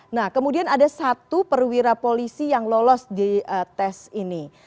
nah kemudian ada satu perwira polisi yang lolos di tes ini